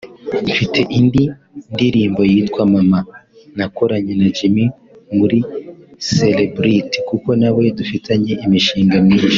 Mfite indi ndirimbo yitwa ’Mama’ nakoranye na Jimmy muri Celebrity kuko nawe dufitanye imishinga myinshi